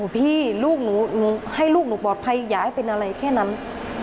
พี่ลูกหนูให้ลูกหนูปลอดภัยอย่าให้เป็นอะไรแค่นั้น